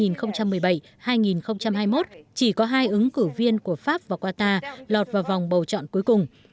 năm hai nghìn hai mươi một chỉ có hai ứng cử viên của pháp và qatar lọt vào vòng bầu chọn cuối cùng